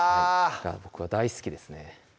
僕は大好きですね